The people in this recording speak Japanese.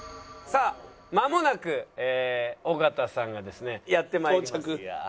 さあまもなく尾形さんがですねやって参ります。